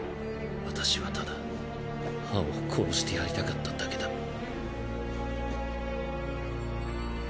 私はただ葉王を殺してやりたかっただけだ。